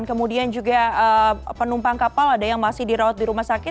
kemudian juga penumpang kapal ada yang masih dirawat di rumah sakit